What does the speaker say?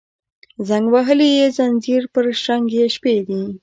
زنګ وهلي یې ځینځیر پر شرنګ یې شپې دي